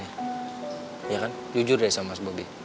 iya kan jujur deh sama mas bobi